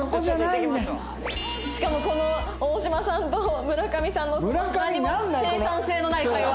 しかもこの大島さんと村上さんの何も生産性のない会話！